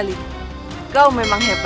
kita akan mencoba untuk mencoba